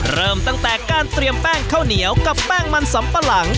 เริ่มตั้งแต่การเตรียมแป้งข้าวเหนียวกับแป้งมันสำปะหลัง